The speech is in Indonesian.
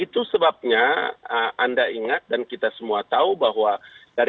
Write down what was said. itu sebabnya anda ingat dan kita semua tahu itu adalah melakukan evaluasi